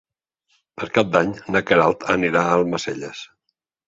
Per Cap d'Any na Queralt anirà a Almacelles.